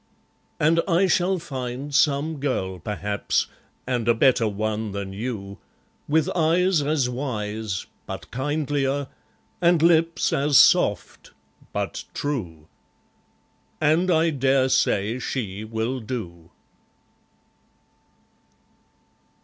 And I shall find some girl perhaps, And a better one than you, With eyes as wise, but kindlier, And lips as soft, but true. And I daresay she will do.